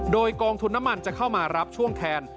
โดยกองทุนน้ำมันจะเข้ามารับช่วงแทน